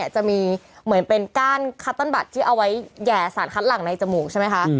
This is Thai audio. จะมีเหมือนเป็นก้านคัตเติ้ลบัตรที่เอาไว้แห่สารคัดหลังในจมูกใช่ไหมคะ